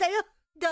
どう？